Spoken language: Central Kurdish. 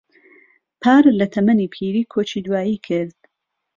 پار لە تەمەنی پیری کۆچی دوایی کرد.